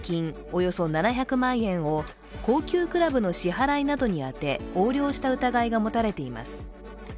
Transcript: およそ７００万円を高級クラブの支払いなどに充て横領した疑いが持たれています。